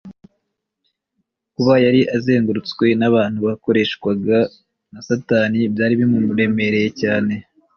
kuba yari azengurutswe n’abantu bakoreshwaga na satani byari bimuremereye cyane